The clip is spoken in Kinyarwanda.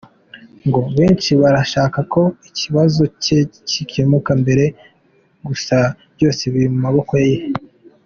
Ngo benshi barashaka ko ikibazo cye gikemuka mbere gusa “byose biri mu maboko ye”.